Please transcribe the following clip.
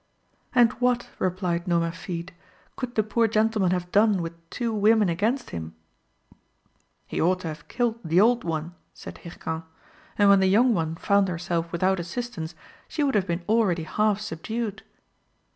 "And what," replied Nomerfide, "could the poor gentleman have done with two women against him?" "He ought to have killed the old one," said Hircan, "and when the young one found herself without assistance she would have been already half subdued."